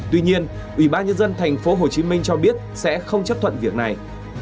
tuy nhiên ủy ban nhân dân thành phố hồ chí minh cho biết sẽ không chấp thuận việc này